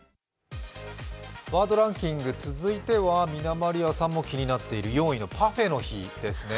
ワードランキング続いては、みなまりあさんも気になっている４位のパフェの日ですね。